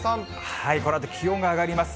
このあと、気温が上がります。